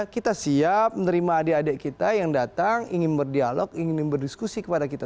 kita siap menerima adik adik kita yang datang ingin berdialog ingin berdiskusi kepada kita